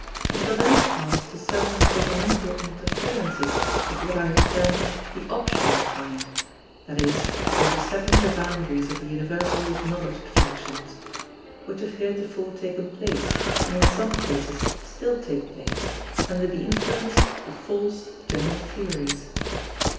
We shall then pass to certain governmental interferences of what I have termed the optional kind (i.e., overstepping the boundaries of the universally acknowledged functions) which have heretofore taken place, and in some cases still take place, under the influence of false general theories.